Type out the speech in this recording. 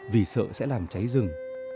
vì sợ sẽ làm cháy rừng